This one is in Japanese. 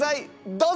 どうぞ！